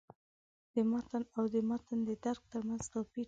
د «متن» او «د متن د درک» تر منځ توپیر کوي.